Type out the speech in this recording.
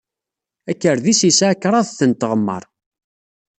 Akerdis yesɛa kraḍet n tɣemmar.